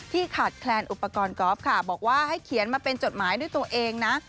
ขาดแคลนอุปกรณ์กอล์ฟค่ะบอกว่าให้เขียนมาเป็นจดหมายด้วยตัวเองนะ